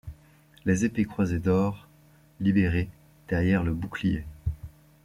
Les épées croisées d'or libérées derrière le bouclier.